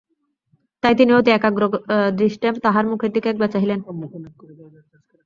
তাই তিনি অতি একাগ্রদৃষ্টে তাহার মুখের দিকে একবার চাহিলেন।